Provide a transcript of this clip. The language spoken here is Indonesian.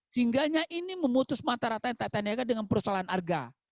sehingga ini memutus matarat tata niaga dengan persoalan harga